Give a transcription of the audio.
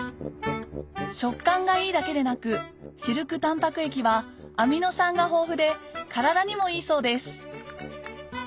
食感がいいだけでなくシルクタンパク液はアミノ酸が豊富で体にもいいそうです